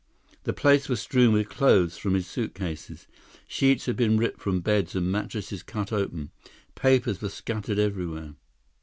The place was strewn with clothes from his suitcases. Sheets had been ripped from beds and mattresses cut open. Papers were scattered everywhere.